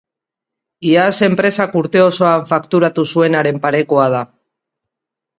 Iaz enpresak urte osoan fakturatu zuenaren parekoa da.